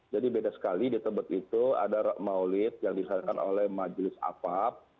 jadi beda sekali di tebet itu ada maulid yang diselenggarakan oleh majelis apap